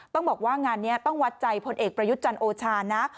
ต้องบอกว่างานนี้ต้องวัดใจพลเอกประยุทธ์จันทร์โอชานะ